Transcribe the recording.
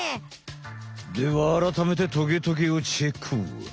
ではあらためてトゲトゲをチェック！